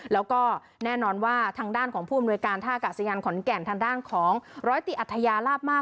แล้วก็แน่นอนว่าทางด้านของผู้อำนวยการท่ากาศยานขอนแก่นทางด้านของร้อยตีอัธยาลาบมาก